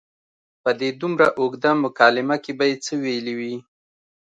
په دې دومره اوږده مکالمه کې به یې څه ویلي وي.